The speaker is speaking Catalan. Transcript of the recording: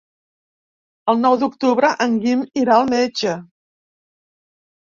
El nou d'octubre en Guim irà al metge.